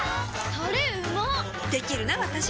タレうまっできるなわたし！